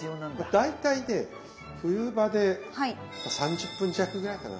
大体ね冬場で３０分弱ぐらいかな。